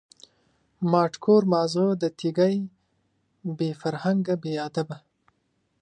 ماټ کور ماغزه د تیږی، بی فرهنگه بی ادبه